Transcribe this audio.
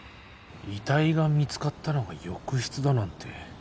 遺体が見つかったのが浴室だなんて。